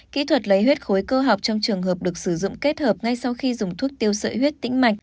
kỹ thuật lấy huyết khối cơ học trong trường hợp được sử dụng kết hợp ngay sau khi dùng thuốc tiêu sợi huyết tĩnh mạch